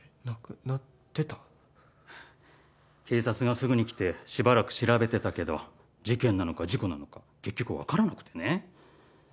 警察がすぐに来てしばらく調べてたけど事件なのか事故なのか結局分からなくてね。